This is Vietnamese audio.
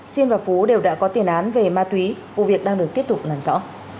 sinh và phú đều đã có tiền án về ma túy vụ việc đang được tiếp tục làm rõ